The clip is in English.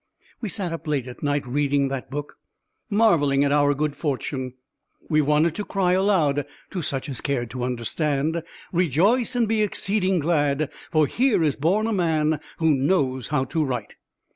We sat up late at night reading that book, marvelling at our good fortune. We wanted to cry aloud (to such as cared to understand), "Rejoice and be exceeding glad, for here is born a man who knows how to write!"